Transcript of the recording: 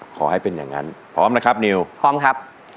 ขอให้เป็นอย่างนั้นพร้อมนะครับนิวพร้อมครับ